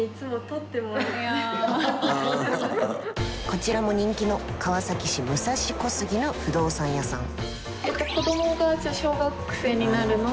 こちらも人気の川崎市武蔵小杉の不動産屋さん。